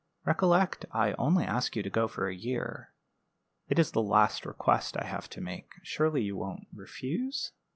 Recollect, I only ask you to go for a year. It is the last request I have to make. Surely you won't refuse?"